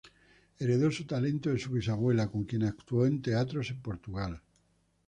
Heredó su talento de su bisabuela, con quien actuó en teatros en Portugal.